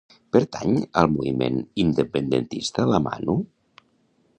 Pertany al moviment independentista la Manu?